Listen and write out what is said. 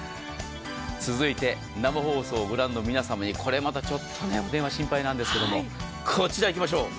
続いて生放送をご覧の皆さまにこれまたちょっとお電話心配なんですがこちら、いきましょう。